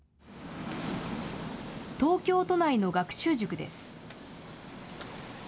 東京都内の学習塾です。